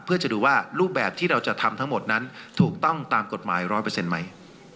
เพื่อจะดูว่ารูปแบบที่เราจะทำทั้งหมดนั้นถูกต้องตามกฎหมาย๑๐๐ไหม